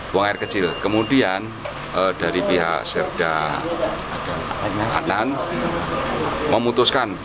buang air kecil kemudian dari pihak serda anan memutuskan